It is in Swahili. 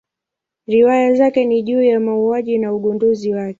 Riwaya zake ni juu ya mauaji na ugunduzi wake.